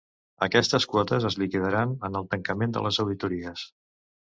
Aquestes quotes es liquidaran en el tancament de les auditories.